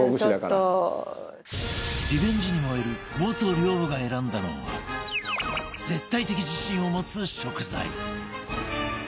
リベンジに燃える元寮母が選んだのは絶対的自信を持つ食材